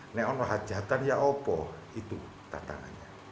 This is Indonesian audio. ini adalah kebenaran ya apa itu tatanannya